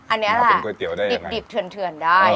อันนี้แหละดริบเษือนได้